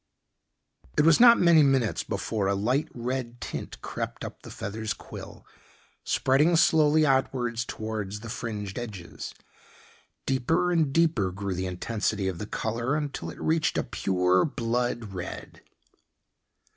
It was not many minutes before a light red tint crept up the feather's quill, spreading slowly outwards towards the fringed edges. Deeper and deeper grew the intensity of the color until it reached a pure blood red.